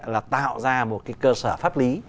là tạo ra một cơ sở pháp lý